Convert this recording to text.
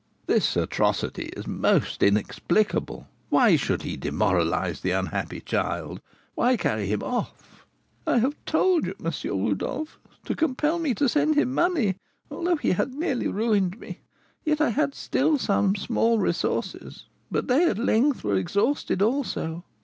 '" "This atrocity is most inexplicable; why should he demoralise the unhappy child? Why carry him off?" "I have told you, M. Rodolph, to compel me to send him money; although he had nearly ruined me, yet I had still some small resources, but they at length were exhausted also.